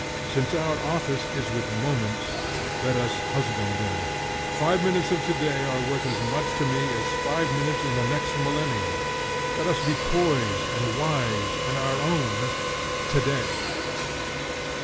Since our office is with moments, let us husband them. Five minutes of today are worth as much to me as five minutes in the next millennium. Let us be poised, and wise, and our own, today.